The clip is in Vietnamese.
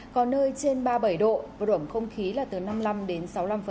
có nơi trên ba mươi bảy độ vượm không khí là từ năm mươi năm đến sáu mươi năm